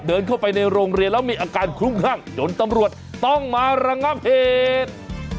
เดินเข้าไปในโรงเรียนแล้วมีอาการคลุ้มคลั่งจนตำรวจต้องมาระงับเหตุ